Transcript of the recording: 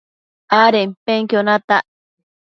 adenpenquio natac